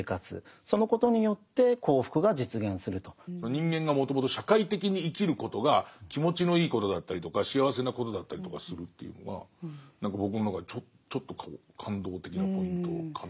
人間がもともと社会的に生きることが気持ちのいいことだったりとか幸せなことだったりとかするというのが僕の中でちょっと感動的なポイントかな。